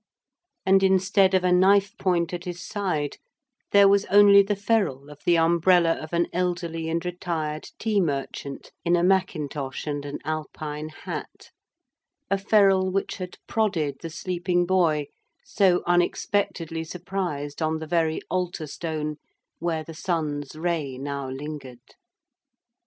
And instead of a knife point at his side there was only the ferrule of the umbrella of an elderly and retired tea merchant in a mackintosh and an Alpine hat, a ferrule which had prodded the sleeping boy so unexpectedly surprised on the very altar stone where the sun's ray now lingered.